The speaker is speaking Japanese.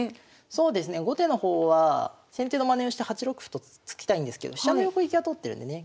そうですね後手の方は先手のまねをして８六歩と突きたいんですけど飛車の横利きが通ってるんでね